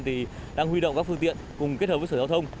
thì đang huy động các phương tiện cùng kết hợp với sở giao thông